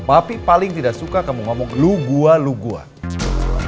papi paling tidak suka kamu berbicara dengan nanda tinggi sama boy